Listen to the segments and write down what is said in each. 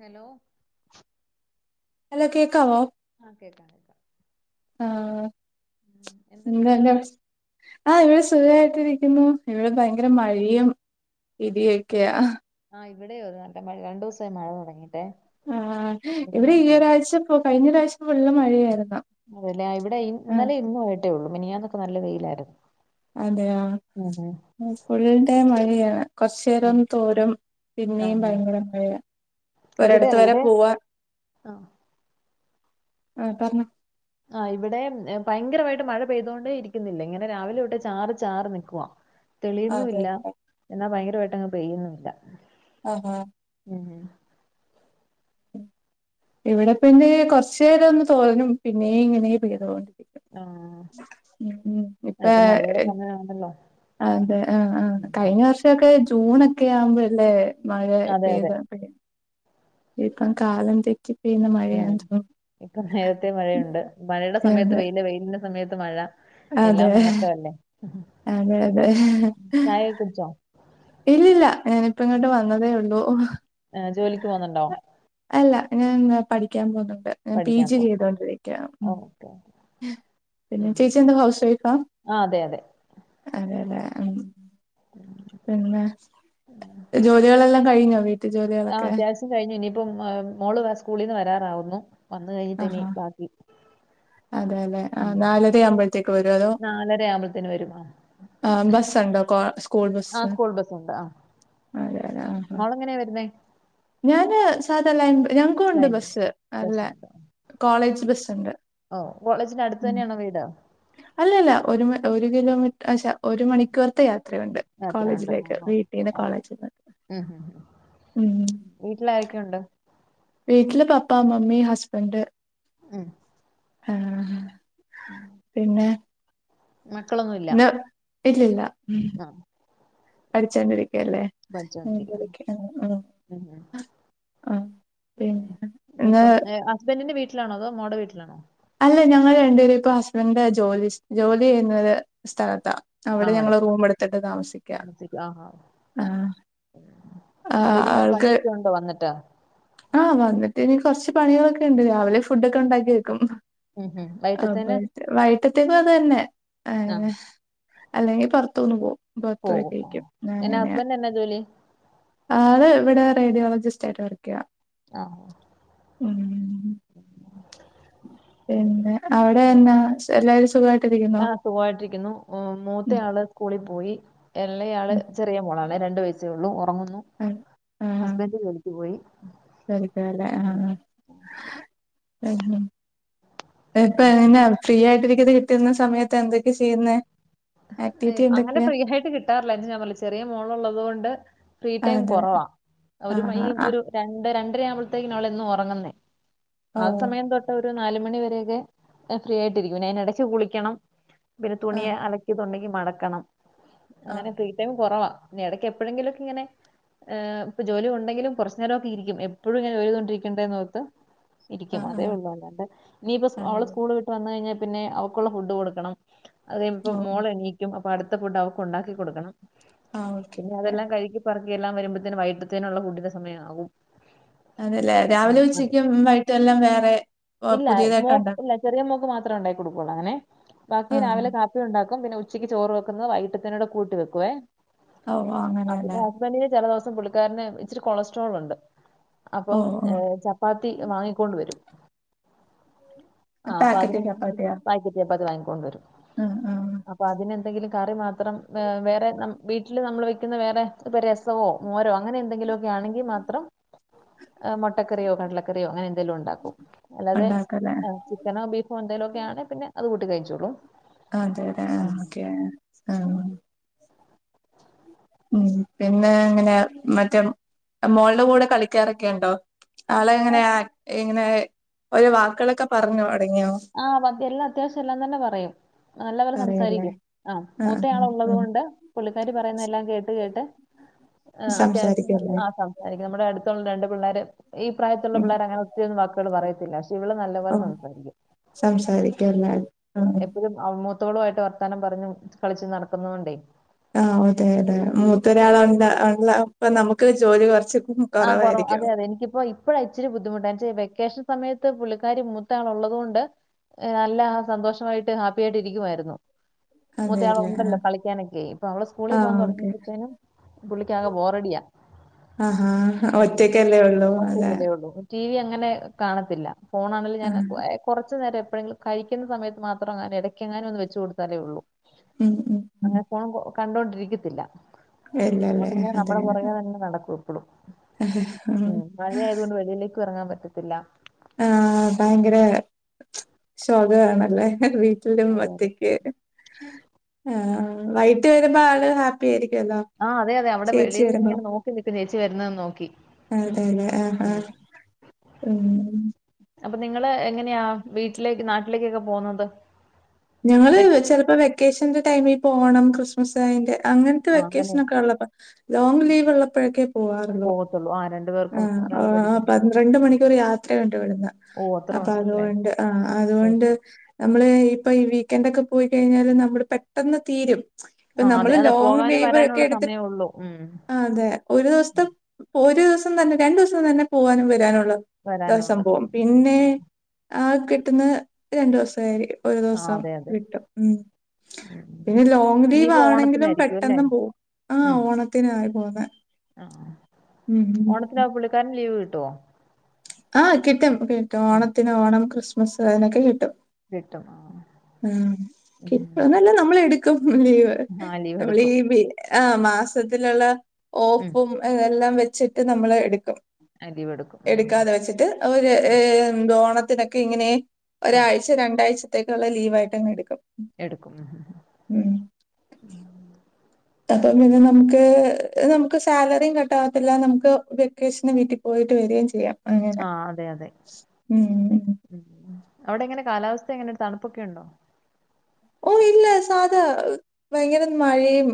Hello hello കേക്കാവോ ആ കേക്കാം കേക്കാം ആ ഉം എന്തുണ്ട് വിശേഷം [unintelligible] ആ ഇവിടെ സുഖായിട്ടിരിക്കുന്നു ഇവിടെ ഭയങ്കര മഴ്‌യും ഇടിയൊക്കെയാ ആ ഇവിടെയതാണ്ടെ മഴ് രണ്ടൂസായി മഴ തുടങ്ങിയിട്ടേ ആഹ് ഹ് ഇവിടെ ഈയൊരാഴ്ചപ്പോ കഴിഞ്ഞരാശം ഫുള്ള് മഴയായിരുന്ന് അതെല്ലെ ആ ഇവിടെ ഇന്നലെ ഇന്ന്വായ്ട്ടേള്ളൂ മിനിഞ്ഞാന്നൊക്കെ നല്ല വെയിലായിര്ന്ന് അതേയാ മ്ഫുള്ള് ടൈം മഴയാ കൊർശ്ശേരം ഉം തോരും ആഹ് പിന്നേം ആഹ് ഭയങ്കര മഴയാ ഇവിടെ ഒരേടത്ത് അതെ വരെ ഇവിടെ പോവാ ആഹ് ആഹ് പറഞ്ഞോ ആ ഇവിടേം ഏംഭയ്ങ്കരവായിട്ട് മഴ പെയ്തൊണ്ടേ ഇരിക്കുന്നില്ലിങ്ങനെ രാവിലൊട്ടൊ ചാറി ചാറി നിക്കുവാ തെളിയുന്നൂല്ല അതെല്ലേ എന്നാ ഭയങ്കരമായിട്ടങ്ങ് പെയ്യുന്നൂല്ല ആഹ് ഹ മ്മ്ഉം ഇവിടെ പിന്നെ കൊറച്ചേരൊന്ന് തോരും പിന്നേംങ്ങനെ പേയ്തോണ്ട് ആ ഉം മ്മ് ഇപ്പ ആ അതെ ആ ആ ഉം കഴിഞ്ഞ വർഷോക്കെ ജൂ ജൂണൊക്കെ ആവുമ്പോല്ലേ മഴ അതെ അതെ പെയ്തോണ്ടിരി ഇപ്പം കാലം തെറ്റി പെയ്യുന്ന ഉം മഴയാന്ന് തോന്നുന്നു. ഇപ്പൊ നേരത്തെ മഴയുണ്ട് മഴയുടെ സമയത്ത് അതെ വെയില് വെയിലിന്റെ സമയത്ത് മഴ അതെ എല്ലാം മാറ്റവല്ലേ മ്മ്ഹ് അതെ അതെ ചായേകുടിച്ചോ ഇല്ലില്ല ഞാനിപ്പങ്ങട്ട് വന്നതേ ഉള്ളൂ ഏ ജോലിക്ക് പോവ്ന്നുണ്ടോ അല്ല ഞാൻ പഠിക്കാൻ പോന്നുണ്ട് ഞാൻ പി ജി ചെയ്തോണ്ടിരിക്യാ മ്മ് ഓക്കെ ഹ്വേ പിന്നെ ഉം ചേച്ചി എന്താ ഹൌസ്‌വൈഫാ ആ അതെ അതെ അതേ അതേ അം പിന്നെ ജോലികളെല്ലാം കയ്ഞ്ഞോ വീ ആ അത്യാവശ്യം കയ്ഞ്ഞു ഇനീപ്പം ആമ് മോള് വേം സ്കൂളിൽ നിന്ന് വരാറാവുന്നു വന്ന് കഴ്ഞ്ഞിട്ടിനി ബാക്കി അതേലെ ആ ഉം നാലരയാവുമ്പോഴത്തേക്ക് വര്വോ അതോ നാലര ആവുമ്പോഴത്തേന് വരും ആ ആ ബസ്സൊണ്ടോ കോ സ്കൂ സ്കൂൾ ആ ബസ് സ്കൂൾ ബസ്സുണ്ട് ആ അതേതെ ആഹ്ഹ മോളെങ്ങനെയാ വരുന്നേ ഞാന് സാധാ ലൈൻ ബ ഞങ്ങ്ക്കുണ്ട് ബസ്സ് നല്ലെ ഉം ഓ കോളേജിന്റെ അടുത്ത് ഉം തന്നെയാണോ വീട് അല്ലല്ല ഒരുമ ഒരു കിലോമീറ്റ ശ്ശെ ഒരുമണിക്കൂറത്തെ യാത് ത്രേംണ്ട് അത്രയുണ്ട് കോളേജിലേക്ക് ഓഹോ വീട്ടീന്ന് ആ കോളേജിന്ന് ഉം ഉം വീട്ടിലാരൊക്കെയുണ്ട് വീട്ടില് പപ്പാ മമ്മി ഹസ്ബന്റ്‌ ഉം ആ ഹ്ഹാ പിന്നെ മക്കളൊന്നുല്ല ഇല്ലഇല്ല പഠിച്ചോണ്ടിരികു ഇരിക്കുല്ല [inaudible] പഠിച്ചോണ്ടിരിക്കുന്നു ഉം ഉം പിന്നെ ഇനിയിപ്പം ഹസ്ബൻഡിന്റെ വീട്ടിലാണോ അതോ മോളേടെ വീട്ടിലാണോ അല്ല ഞങ്ങൾ രണ്ടുപേരും ഇപ്പൊ ഹസ്ബൻഡ് ജോലി ജോലി ചെയ്യുന്ന സ്ഥലത്താ ആ അവിടെ ഞങ്ങള് അവിടത്തെ റൂം എടുത്തിട്ട് താമസിക്കുക താമസിക്കും ആ ആ ആ അപ്പൊ ഇനി പണിയൊക്കെ ഉണ്ടോ വന്നിട്ടാ ആഹ് വന്നിട്ട് ഇനി കുറച്ച് പണികളൊക്കെ ഉണ്ട് രാവിലെ ഫുഡൊക്കെ ഉണ്ടാക്കി വക്കും ഉം ഉം അപ്പോ വൈകിട്ടത്തേന് വൈട്ടത്തേക്കും അത് തന്നെ അ ആ അല്ലെങ്കിൽ പുറത്തൂന്ന് പോും പുറത്ത പോയി പോകും ആ. കഴിക്കും ഞാന്‍ എന്നാ അങ്ങനാ ഹസ്ബൻഡ് എന്നാ ജോലി അത് ഇവിടെ റേഡിയോളജിസ്റ്റ് ആയിട്ട് വർക്ക് ചെയുക ആ ഉം [inaudible] പിന്നെ അവിടെ എന്നാ എല്ലാരും സുഖായിട്ടിരിക്കുന്നോ ആ സുഖമായിട്ടിരിക്കുന്നു മൂത്ത ഉം ആള് സ്കൂ സ്കൂളി പോയി എളായാള് ഉം ചെറിയ മോളാണ് രണ്ടു വയസ്സേയുള്ളൂ ഒറങ്ങുന്നു ആഹ് ഹസ്ബന്റ് ജോലിക് പോയി ജോലിക്ക് പോയല്ലേ അ ഉം അ ഇപ്പൊ പിന്നെ, എങ്ങനെ ഫ്രീ ആയിട്ടിരിക്കുന്ന സമയതെന്തൊക്കെ ചെയ്യുന്നു ങ്‌ ഹ ങ്‌ അങ്ങനെ ഫ്രീ ആയിട്ട് കിട്ടാറില്ല ചെറിയ മോളുള്ളത്കൊണ്ട് ഫ്രീ ടൈം അതെ കുറവാണ് ഒരു മണി ആഹ് ആഹ് ഒരു രണ്ടു രണ്ടര ആവുമ്പോത്തിന് അവൾ ആഹ് ഓ ഉറങ്ങുന്നആ സമയം തൊട്ട് ചെലപ്പോ നാല് മണി വരെ ഫ്രീ ആയിട്ട് ഇരിക്കും അയിന്റെ എടക് കുളിക്കണം പിന്നെ തുണി ആഹ് അല ന്റെങ്കിൽ മടക്കണം അങ്ങനെ ആഹ് ഫ്രീ ടൈം കുറവാ എടക് എപ്പളെങ്കിലൊക്കെ ങ്ങനെ ങ്‌ഇപ്പം ജോലി ഉണ്ടെങ്കിലും കൊറച്ചു നേരംക്കെ ഇരിക്കും എപ്പളും ഇങ്ങനെ ഒരു തൊട്ടിരിക്കേണ്ട ഇരിക്കും അതെ ആഹ് ഉള്ളു അല്ലാണ്ടെ നീ പ്പം ആഹ് സ്കൂഓളെ സ്കൂൾ വിട്ട് വന്ന് കയിഞ്ഞ പിന്നെ അവക്കുള്ള ഫുഡ്‌ കൊടുക്കണം അത് കഴിയുമ്പം ഓ ഓ മോള് എണീക്കും അടുത്ത ഫുഡ്‌ അവക്ക് ണ്ടാക്കി കൊടുക്കണം ആഹ് ഓക്കെ പിന്നെ ഓക്കെ അതെല്ലാം കഴുകി പൊറുക്കി എല്ലാം വരുമ്പത്തിന് വൈകീട്ടത്തുള്ള ഫുഡിന്റെ സമയം ആവും അതെല്ലേ രാവിലെ ഉച്ചക്കും വൈകീട്ടെല്ലാം വേറെ ഓഹ് ഇല്ല പുതിയതായിട്ട് ഉണ്ടാക്കും മോൾക് ചെറിയ മോൾക് മാത്രം അങ്ങനെ ഉണ്ടാക്കികൊടുക്കുള്ളു അങ്ങനെ ബാക്കി ആഹ് രാവിലെ കാപ്പി കുടിച് ണ്ടാകും പിന്നെ ഉച്ചക്ക് ചോർ വെക്കുന്നു വൈകീട്ടത്തേക് കൂട്ടി വെക്കുവെ ആഹ് ഓഹ് അത് അങ്ങനെയല്ലേ കാപ്പി ണോ ചെലതിസം പ്പം പുള്ളിക്കാരന് ഇച്ചിരി കൊളസ്‌ട്രോൾ ഉണ്ട് അപ്പം ഓഹ് ഓഹ് ചപ്പാത്തി വാങ്ങി കൊണ്ട് വരും അ പ്പത് പാക്കറ്റ് ചപ്പാത്തിയാ അങ്ങിനെ വാങ്ങി കൊണ്ടുരും ആഹ് ആഹ് അപ്പം അതിനെന്തെകിലും കറി മാത്രം വേറെ വീട്ടില് നമ്മൾ വെക്കുന്ന രസവോ മോരോ അങ്ങനെഎന്തെങ്കിലൊക്കെ ആണെങ്കിൽ മാത്രം മൊട്ടകറിയോ കടലകറിയോ അങ്ങനെ എന്തേലും ഉണ്ടാകും അല്ലാതെ ഉണ്ടാക്കല്ലേ ചിക്കനോ ബീഫോ ണ്ട് തൊക്കെ യാണെ പിന്നെ അതു കൂട്ടി കഴിച്ചോളും അതെ ല്ലെ ഉം ആ ഓകെ ആ പിന്നെ ങ്ങനാ മറ്റേ മോൾടെ കൂടെ കളിക്കാറൊക്കെ ണ്ടോ ആ ആളെങ്ങനെയാ ഇങ്ങനെ ഒരു വാക്കെളൊക്കെ പറഞ്ഞു തുടങ്ങിയോ ആ വാക്കെല്ലാം അത്തിയാവഷിം എല്ലാംന്നെല്ലാം പറയും നല്ല പോലെ പറയല്ലേ സംസാരിക്കും ആ ആഹ് മൂത്തയാള് ആഹ് ഉള്ളത് ആഹ് കൊണ്ട് പുള്ളിക്കാരി പറയുന്നതെല്ലാം കേട്ട് അത് കേട്ട് ആ അത്ത്യവാഷിം സംസാരിക്കുവല്ലേ ആ സംസാരിക്കും നമ്മുടെ അടുത്തുള്ള രണ്ട് പിള്ളേര് ഈ പ്രായത്തിലുള്ള ഉം പിള്ളേർ അങ്ങനെ ഒത്തിരി വാക്കുകളൊന്നും പറയത്തില്ല പക്ഷേ ഇവൾ നല്ല പോലെ സംസാരിക്കും സംസാരിക്കില്ല.. മൂത്തവളുമായിട്ട് വർത്താനം പറഞ്ഞു കളിച്ചും നടക്കുന്നത് കൊണ്ട് ആ അതെ അതെ മൂത്തരാളവുണ്ടെ അപ്പം ഞമ്മക് ജോലി കൊറച്ച് ആ കുറവ അതെ അതെ എനിക്ക് ഇപ്പഴാ ഇച്ചിരി ബുദ്ധിമുട്ട് പക്ഷേ വെക്കെ സമയത്ത് പുള്ളിക്കാരി മൂത്തയാൾ ഉള്ളത് കൊണ്ട് ങ്‌ നല്ല സന്തോഷയിട്ട് ഹാപ്പിയായിട്ട് ഇരിക്കുമായിരുന്നു മൂത്തയാൾ അതെല്ലേ ഉണ്ടല്ലോ കളിക്കാനൊക്കെ ഇപ്പം അവൾ സ്കൂളിൽ പോവാൻ ആഹ് ഓക്കെ തൊടങ്ങിയപ്പോത്തേക്കും പുള്ളിക്കാകെ ബോറടിയാ ആ ഹാ ഹ ഒറ്റക്കല്ലേ ഉള്ളു ടീവി അങ്ങനെ കാണാത്തില്ല ഫോൺ ആണെങ്കി ആഹ് കൊറച്ചു നേരെ എപ്പോളെങ്കിലും കഴിക്കുന്ന സമയത്ത് മാത്രങ്ങനെ എടക് എങ്ങാനും വെച്ച് കൊടുത്താലേ ഉള്ളു ഉം ഉം ഉം അങ്ങനെ ഫോൺ കണ്ടോണ്ടിരിക്കത്തില്ല ഇല്ലല്ലേ ഓളിങ്ങനെ അതെ നമ്മളെ പുറകിലങ്ങനാ നടക്കും ഇങ്ങനെ ആഹ് ഉം മഴയായത് കൊണ്ട് വെളിയിലേക്കും ഇറങ്ങാൻ പറ്റത്തില്ല ആ ഭയങ്കര ശോക ആണല്ലേ വൈകീട്ട് അതെ അതെ വരുമ്പം ആള് ഹാപ്പി യായിരിക്കും ലെ ആ അതെ അതെ അവിടെ വെളിയില് ങ്ങനെ നോക്കി നിക്കും ചേച്ചി വരുന്നതും നോക്കി ഉം അതെ യതേ അ ആ ഉം. ഉം അപ്പം നിങ്ങള് എങ്ങനെയാ വീട്ടിലേക്ക് നാട്ടിലേക് ഒക്കെ പോകുന്നത് ഞങ്ങള് വെക്ക ചെലപ്പോ വെക്കേഷന്റെ ടൈമിൽ പോകണം ക്രിസ്മസ് അയിന്റെ അങ്ങനത്തെ ആ അങ്ങനെ വെക്കേഷൻ ഒക്കെ ഉള്ളപ്പോ ലോങ്ങ് ലീവ് ഉള്ളപ്പോഴൊക്കെ പോവത്തുള്ളൂ അയന്നെ ആ പന്ത്രണ്ട് മണിക്കൂർ യാത്ര കൊണ്ട് വിടുന്ന ഓ അത്ര അപ്പൊ ഉണ്ടല്ലേ അതുകൊണ്ട് ആ അതുകൊണ്ട് ഓഹോ നമ്മള് ഇപ്പൊ ഈ വീക്കെൻഡ ഒക്കെ പോയി കഴിഞ്ഞാല് നമ്മള് പെട്ടെന്ന് തീരും. ഇപ്പ ആ അതെ നമ്മള് അതെ ലോങ് പോകാനും ലീവ ഒക്കെ വരാനുള്ള എടുത്തി സമയമേ ഉള്ളൂ ഉം അതെ ഒരു ദിവസത്തെ ഒരു ദിവസ സം തന്നെ രണ്ടു ദിവസം തന്നെ പോവാനും വരാനുള്ള വരാനുള്ള സംഭവം സമയം ആ പിന്നെ ആ കിട്ടുന്ന രണ്ടു ദിവസമായി ഒരു ആ ദിവസം അതെ അതെ കിട്ടും ഉ ഉം ഉം. പിന്നെ ലോങ് ലീവ് ഇനിയിപ്പോ ആണെങ്കിലും ഓണത്തിനായിരിക്കും അല്ലേ പെട്ടെന്ന് പോവും ആ ഉം ഓണത്തിന് ആയി പോന്നെ ആ ഉം ഉം. ഓണത്തിനാ പുള്ളിക്കാരൻ ലീവ് കിട്ടോ ആ കിട്ടും കിട്ടും ഓണത്തിന് ഓണം ക്രിസ്മസ് അതിനൊക്കെ കിട്ടും. കിട്ടും. ആ ഉം. കിട്ടന്നല്ല നമ്മൾ എടുക്കും ലീവ് ആ ലീവ് നമ്മള എടുക്കും ആ മാസത്തിലുള്ള ഉം ഓഫും അതെല്ലാം വെച്ചിട്ട് നമ്മൾ എടു ആ ലീവ് എടുക്കും ആ എടുക്കാതെ വെച്ചിട്ട് അവര് ആ ഓണത്തിനൊക്കെ ഇങ്ങനെ - ആ ഒരാഴ്ച രണ്ടാഴ്ചത്തേക്കുള്ള ലീവായ്ട്ട് അങ്ങ് എടുക്കും എടുക്കും. അപ്പൊ പിന്നെ നമുക്ക് നമുക്ക് സാലറിയും കട്ടാവത്തില്ല നമുക്ക് വെക്കേഷന് വീട്ടിൽ പോയി വരിയും ചെയ്യാം അങ്ങനെ ആ അതെ അതെ ഉ ഉം. അവിടെ എങ്ങനെ കാലാവസ്ഥ എങ്ങനെ തണുപ്പൊക്കെ ഉണ്ടോ? ഓ ഇല്ല സാധാ ഭയങ്കര മഴയും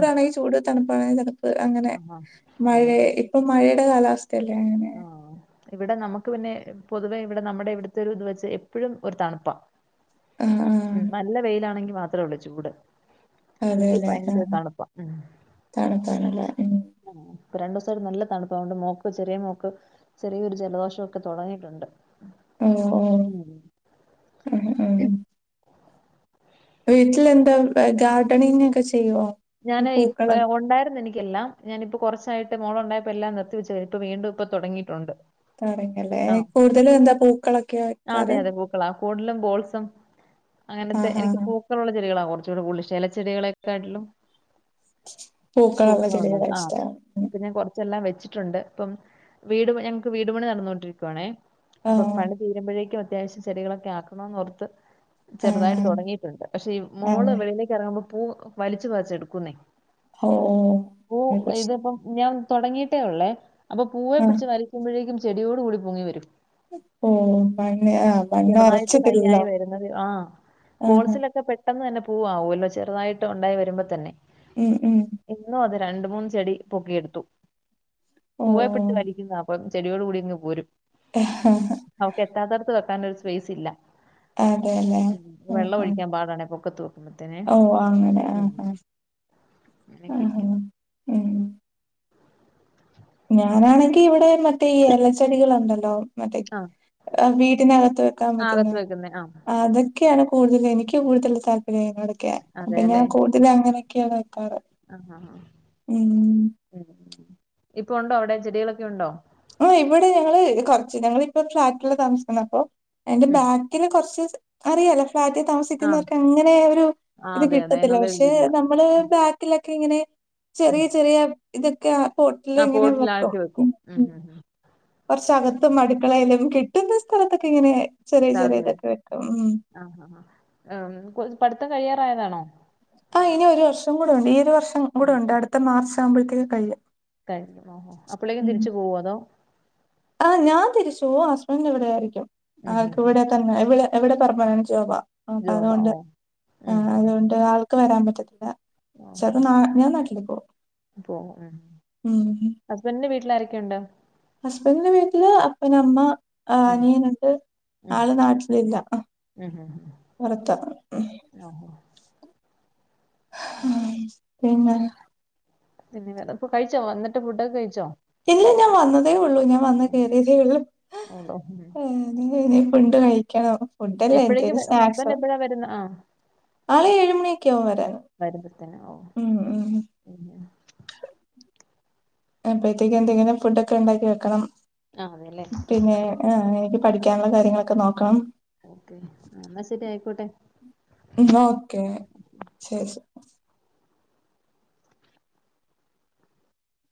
ഉം. ചൂട് തണുപ്പാ അങ്ങനെ ആഹാ മഴ ഇപ്പൊ മഴയുടെ കാലാവസ്ഥയല്ലേ അങ്ങനെ. ആ ഇവിടെ നമുക്ക് പിന്നെ പൊതുവെ ഇവിടെ നമ്മുടെ ഇവിടുത്തെ ഒരു ഇത് വെച്ച് എപ്പോഴും ഒരു തണുപ്പാ ആ ഉ നല്ല വെയിലാണെങ്കി മാത്രേ ഉള്ളൂ ചൂട് ആ അല്ലെങ്കിൽ അതെല്ലേ ആ ഭയങ്കര തണുപ്പാ തണുപ്പാണല്ലേ ഉം. ഇപ്പൊ രണ്ട ദിവസം ഒരു നല്ല തണുപ്പാവുണ്ട് മോക്ക് ചെറിയ മോക്ക് ചെറിയൊരു ജലദോഷംക്കെ തെടങ്ങിട്ടുണ്ട്. ഓ ഓ ഉം [inaudible] ഉം വീട്ടിൽ എന്താ ഗാർഡനിംഗ ക്കെ ഞാന് ഇപ്പ ഉണ്ടായിരുന്ന് എനിക്കെല്ലാം ഞാനിപ്പ കൊറച്ച് മോളുണ്ടായപ്പോ എല്ലാം നിർത്തിവെച്ച ഇപ്പ വീണ്ടുംഇപ്പൊ തെടങ്ങയിട്ടുണ്ട്. തുടങ്ങല്ലേ കൂടുതലും എന്താ പൂക്കളൊക്കെ വെക്കാറ് ഫോഡലും ബോൾസും ആ അങ്ങനത്തെ ആ ആ. എനിക്ക് പൂക്കളുള്ള ചെടികളാ കൊ കുച്ചൂടെ ഉശ ചച്ചെടികളൊക്കാ ട്ടിലും. പൂക്കളുള്ള പൂക്ക ഉള്ളത് ചെടികളെ ആ ഇഷ്ടാണ് ഇപ്പൊ ഞാൻ കൊറച്ചെല്ലാം വെച്ചി ട്ടുണ്ട് അപ്പം വീട് ഞങ്ങക്ക് വീട്പണി നടന്നുകോണ്ടിരിക്കുവാണേ അപ്പൊ ആഹ് പണി തീരുമ്പോഴേക്കും. അത്യാവശ്യം ചെടികളൊക്കെ ആക്കണന്ന് റത്ത് ആഹ് ചെറുതായിട്ട് ആഹ് തുടങ്ങിട്ടുണ്ട് പക്ഷേ ഈ മോള് അതെ വളിയിലേക്ക്റങ്ങുമ്പോ പൂ വലിച്ചു വച്ച എടുക്കുന്നേ ഓ പൂ അത് പ്രശ്നം ഇതിപ്പം ഞാൻ തുടങ്ങിയിട്ടേ ഉള്ളേ അപ്പൊ പൂവേ ആഹ് പിടിച്ച് വരയ്ക്കുമ്പോഴേക്കും ചെടിയോട് കൂടി പൊങ്ങി വരും. ഓ പൈ ചെറുതായിട്ട് തൈആയി വരുന്നത് ആ ആഹ് ഗോൾസിലൊക്കെ പെട്ടെന്ന് തന്നെ പൂവു ആമൂല്ലോ ചെറുതായിട്ട് ഉണ്ടായി വരുമ്പോൾ തന്നെ ഉം ഉം രണ്ട മൂന്ന് ചെടി പൊക്കിയ എടുത്തു ഓ പൂവെപിടിച്ചു വലിക്കുന്ന അപ്പം ചെടിയോട് കൂടി ഇങ്ങ് പോരും. അവക്ക് എത്താത്തടത്ത് വെക്കാൻ ഒരു സ്പേസ് ഇല്ല. അതെല്ലേ ആഹ് വെള്ളം ആഹ് ഒഴിക്കാൻ പാടാണ് ഇപ്പൊ - - ഓ അങ്ങനെ ആഹ് ആഹ അങ്ങനെയൊക്കെ ആഹ ഇരിക്കുന്നു ഉ ഞാനാണെങ്കി ഇവിടെ മറ്റേ ഈ ഏലച്ചെടികളുണ്ടല്ലോ? മറ്റേ ആഹ് വീട്ടിനകത്ത് വെക്കാൻ അകത്ത് പറ്റുന്നത് വെക്കുന്നേ ആഹ് അതൊക്കെയാണ് കൂടുതൽ എനിക്ക് കൂടുതൽ താല്പര്യങ്ങളൊക്കെയ അപ്പൊ ഞാൻ കൂടുതല അങ്ങനൊക്കെയ വെ ആ ആ ആ ഉ ഇപ്പൊ ഉണ്ടോ അവിടെ ചെടികളൊക്കെ ഉണ്ടോ, ആ ഇവിടെ ഞങ്ങള് കൊറച്ച് ഞങ്ങളിപ്പോ ഫ്ലാറ്റില് താമസിക്കുന്ന അപ്പൊ, എന്റെ ഉം ബാക്കിന് കൊറച്ച് അറിയാലോ, ഫ്ലാറ്റിൽ ആഹ് താമസിക്കുന്നവർക്ക് അങ്ങനെ ഒരു ആഹ് ഇത് അതെ അതെ കിട്ടത്തില്ല അതിനുള്ള പക്ഷെ ഒരിതില്ല നമ്മള് ബാക്കിലെ ഇങ്ങനെ ഉം ചെറിയ ചെറിയ ഇതൊക്കെ ആ പോട്ടിൽ ആഹ് ഇങ്ങനെ വെക്കും, പോട്ടിലാക്കി ഉം ഉം ഉം കുറച്ചകത്തും അടുക്കളലും കിട്ടുന്ന സ്ഥ് സ്ഥലത്തൊക്കെ ഇങ്ങനെ ചെറിയ ചെറിയ ഇതൊക്കെ വെക്കും ഉം, ആഹ് പ്രായതാണോ, ആ ഇനി ഒരു വർഷം കൂടെ ഉണ്ട് ഈ ഒരു വർഷം ഉം, കൂടെ ഉണ്ട് അടുത്ത മാർച്ച് ആകുമ്പോഴത്തേക്ക് കഴിയു, കഴഞ്ഞും ആഹാ അപ്പോഴേക്കും തിരിച്ചു പോവോ അതോ, ആ ഞാൻ തിരിച്ചു ഹസ്ബൻഡ് ഇവിടെ ആയിരിക്കും ഉം ഉം ആൾക്ക് ഉം ഇവിടെ തന്നെ ഇവിടെ, എവിടെ പെർമനന്റ് ജോബാ അപ്പെ ജോബാ അതുകൊണ്ട് ഓഹ് ങേ ഉം ഉം ഉം അതുകൊണ്ട് ആൾക്ക് വരാൻ പറ്റത്തില്ല, ചെപ്പോ ഞാ നാട്ടില്, പോവും പോ ഉ ഉം ഹസ്ബറ്റിന്റെ വീട്ടില് ആരൊക്കെയുണ്ട്, ഹസ്ബൻഡിന്റെ വീട്ടില് അപ്പന് അമ്മ, ആ ഉം അനിയനുണ്ട് ഉം ആള് നാട്ടിലില്ല, ഉം ഉം ഉം. വറത്ത, ഓഹോ ആ പിന്നെ ന്താ പിന്നപ്പൊ കഴിച്ചോ വന്നിട്ട് ഫുഡൊക്കെ കഴിച്ചോ? ഇല്ല ഞാൻ വന്നതേ ഉള്ളു ഞാൻ വന്ന് ഉം. കയറിയതേ ഉള്ളൂ, ഓളോ ഉം. ഏ ഇനി ഉം. ഫുഡ് കഴിക്കണോ ഫുഡല്ല എന്തേലും സ്നാക്സോ ആഹ, ആള് ഏഴുമണിയൊക്കെ ആകും വരാന് വരുമ്പത്തന്നെ ഓ ഉം ഉ, പിന്നെ അപ്പത്തേക്ക് എന്തെങ്കിലും ഫുഡ് ഒക്കെ ഉണ്ടാക്കി വെക്കണം, ആ അതെല്ലേ പിന്നെ ആ പഠിക്കാനുള്ള കാര്യങ്ങളൊക്കെ നോക്കണം, ഓക്കെ എന്നാ ശരി ആയിക്കോട്ടെ, ഉം ന്ന ഓക്കെ ശരി ശെ,